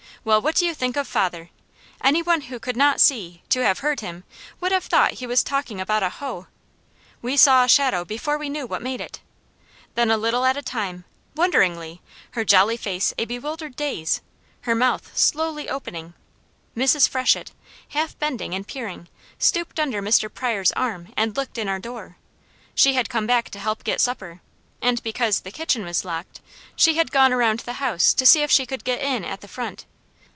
Well, what do you think of father? Any one who could not see, to have heard him, would have thought he was talking about a hoe. We saw a shadow before we knew what made it; then, a little at a time, wonderingly, her jolly face a bewildered daze, her mouth slowly opening, Mrs. Freshett, half bent and peering, stooped under Mr. Pryor's arm and looked in our door. She had come back to help get supper, and because the kitchen was locked, she had gone around the house to see if she could get in at the front.